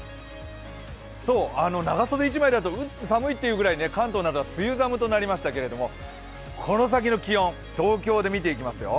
長袖１枚だと寒いってぐらい関東などは梅雨寒となりましたけれども、この先の気温、東京で見ていきますよ。